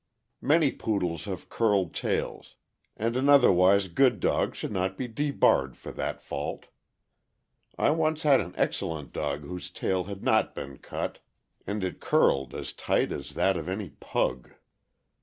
Many Poodles have curled tails, and an otherwise good dog should not be debarred for that fault. I once had an excellent dog whose tail had not been cut, and it curled as tight as that of any Pug.